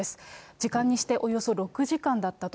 時間にしておよそ６時間だったと。